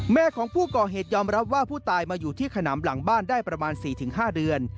แม่ของผู้ก่อเหตุยอมรับว่าผู้ตายมาอยู่ที่ขนำหลังบ้านได้ประมาณ๔๕เดือน